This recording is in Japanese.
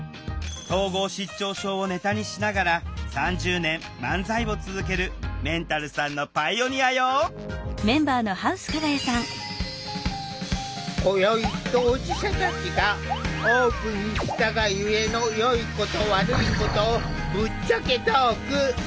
統合失調症をネタにしながら３０年漫才を続けるメンタルさんのパイオニアよ今宵当事者たちがオープンにしたがゆえのよいこと悪いことをぶっちゃけトーク。